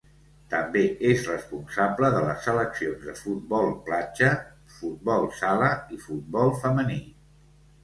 També és responsable de les seleccions de futbol platja, futbol sala i futbol femení.